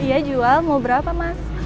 iya jual mau berapa mas